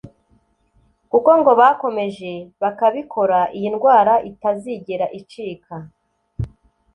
Kuko ngo bakomeje bakabikora iyi ndwara itazigera icika